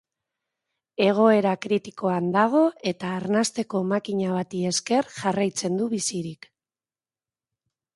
Egoera kritikoan dago eta arnasteko makina bati esker jarraitzen du bizirik.